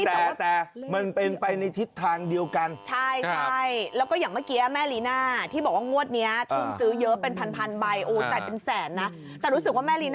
ด้วยศึกษาขาดทุนประมาณ๔หมื่น